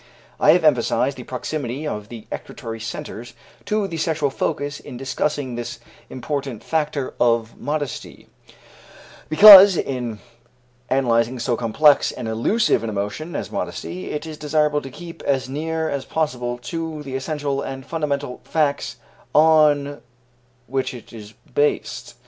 I have emphasized the proximity of the excretory centres to the sexual focus in discussing this important factor of modesty, because, in analyzing so complex and elusive an emotion as modesty it is desirable to keep as near as possible to the essential and fundamental facts on which it is based.